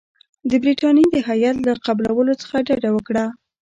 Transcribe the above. د برټانیې د هیات له قبولولو څخه ډډه وکړه.